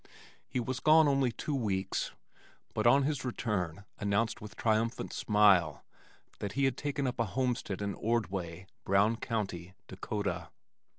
He was gone only two weeks, but on his return announced with triumphant smile that he had taken up a homestead in Ordway, Brown County, Dakota.